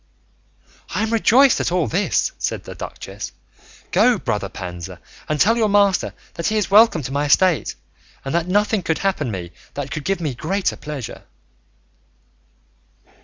"I am rejoiced at all this," said the duchess; "go, brother Panza, and tell your master that he is welcome to my estate, and that nothing could happen to me that could give me greater pleasure."